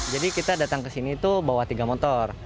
jadi kita datang ke sini itu bawa tiga motor